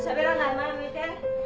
前向いて。